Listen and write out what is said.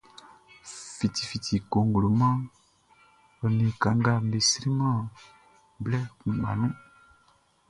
Fiti fiti cogloman ɔ ni kanga be sri man blɛ kuʼngba nu.